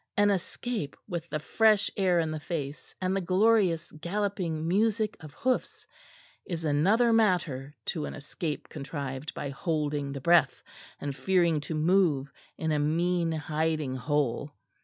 An escape with the fresh air in the face and the glorious galloping music of hoofs is another matter to an escape contrived by holding the breath and fearing to move in a mean hiding hole.